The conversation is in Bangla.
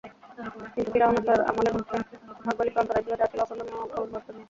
কিন্তু ফিরআউন ও তার আমলের মধ্যে ভাগ্যলিপি অন্তরায় হল- যা ছিল অখণ্ডনীয় ও অপরিবর্তনীয়।